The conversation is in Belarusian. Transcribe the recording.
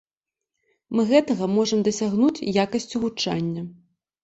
Мы гэтага можам дасягнуць якасцю гучання.